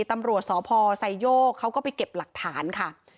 ตำรวจสพไซโยกเขาก็ไปเก็บหลักฐานค่ะ